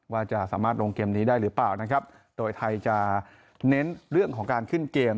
ว่าจะสามารถลงเกมนี้ได้หรือเปล่านะครับโดยไทยจะเน้นเรื่องของการขึ้นเกม